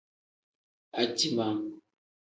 Aciima.